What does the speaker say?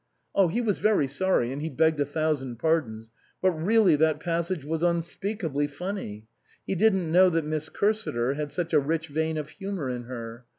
He was very sorry, and he begged a thousand pardons ; but, really, that passage was unspeakably funny. He didn't know that Miss Cursiter had such a rich vein of humour in her.